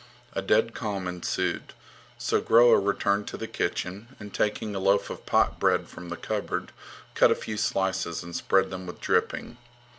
A dead calm ensued. So Groa returned to the kitchen, and taking a loaf of pot bread from the cupboard, cut a few slices and spread them with dripping.